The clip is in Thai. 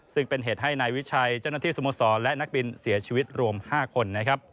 ซึ่งเป็นเหตุให้นายวิชัยเจ้าหน้าที่สโมสรและนักบินเสียชีวิตรวม๕คน